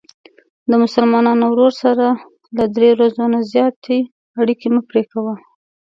د مسلمان ورور سره له درې ورځو نه زیاتې اړیکې مه پری کوه.